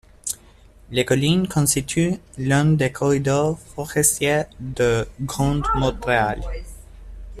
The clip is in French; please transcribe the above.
Les collines constituent l'un des corridors forestiers du Grand Montréal.